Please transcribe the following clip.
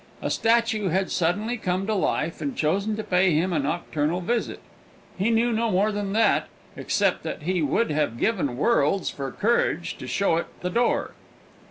A statue had suddenly come to life, and chosen to pay him a nocturnal visit; he knew no more than that, except that he would have given worlds for courage to show it the door.